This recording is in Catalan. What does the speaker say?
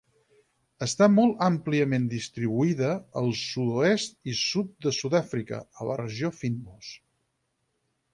Està molt àmpliament distribuïda al sud-oest i sud de Sud-àfrica, a la regió fynbos.